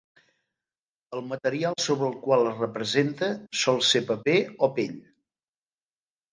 El material sobre el qual es representa sol ser paper o pell.